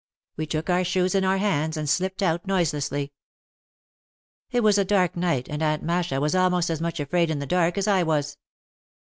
We took our shoes in our hands and slipped out noiselessly. It was a dark night and Aunt Masha was almost as much afraid in the dark as I was.